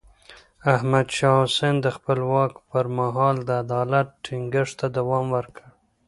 احمد شاه حسين د خپل واک پر مهال د عدالت ټينګښت ته دوام ورکړ.